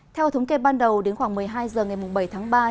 theo thống kê ban đầu đến khoảng một mươi hai h ngày bảy tháng ba